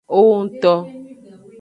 Owongto.